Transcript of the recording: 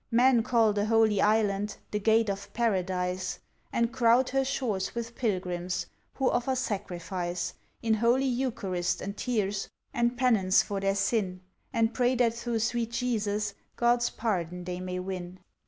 Men call the Holy Island "The Gate of Paradise," And crowd her shores with pilgrims, Who offer Sacrifice, In Holy Eucharist, and tears, And penance for their sin, And pray that through sweet Jesus God's pardon they may win.